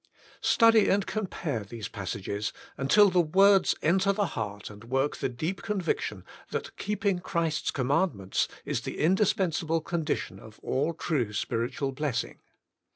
Study and compare these passages, until the words enter the heart and work the deep convic tion that Keeping Christ's Commandments Is THE Indispensable Condition of All True Spiritual Blessing.